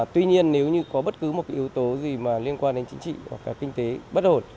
tuy nhiên nếu như có bất cứ một cái yếu tố gì mà liên quan đến chính trị hoặc là kinh tế bất ổn